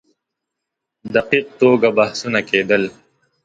دقیق توګه بحثونه کېدل.